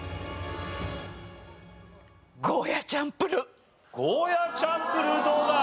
ゴーヤーチャンプルーどうだ？